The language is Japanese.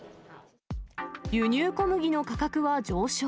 輸入小麦の価格は上昇。